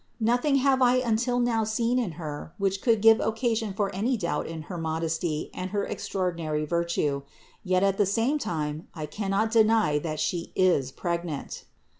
Nothing have I until now seen in Her which could give occasion for any doubt in her modesty and her extraordinary virtue; yet at the same time I cannot deny that She is pregnant.